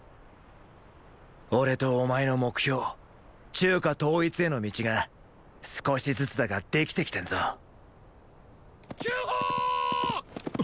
俺とお前の目標“中華統一”への道が少しずつだが出来てきてんぞ急報ー！